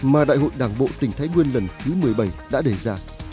mà đại hội đảng bộ tỉnh thái nguyên lần thứ một mươi bảy đã đề ra